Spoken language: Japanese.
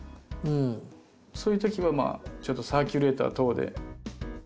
そういうときはちょっとサーキュレーター等で。